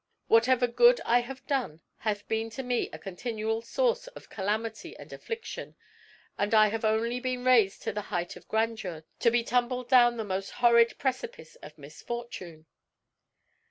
Whatever good I have done hath been to me a continual source of calamity and affliction; and I have only been raised to the height of grandeur, to be tumbled down the most horrid precipice of misfortune."